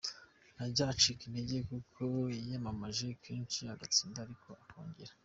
Ntajya acika intege, kuko yiyamamaje kenshi agatsindwa ariko akongera